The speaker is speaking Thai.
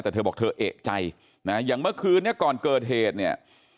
แต่เธอบอกเธอเอกใจนะอย่างเมื่อคืนนี้ก่อนเกิดเหตุเนี่ย